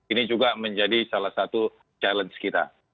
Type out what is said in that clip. ini juga menjadi salah satu challenge kita